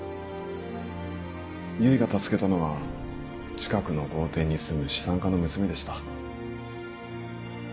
唯が助けたのは近くの豪邸に住む資産家の娘でした。